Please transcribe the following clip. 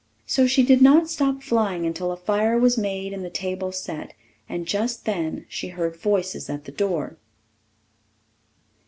So she did not stop flying until a fire was made and the table set; and just then she heard voices at the door.